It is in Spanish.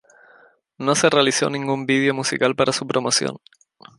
No se realizó ningún video musical para su promoción.